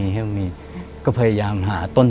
ช่วยด้วย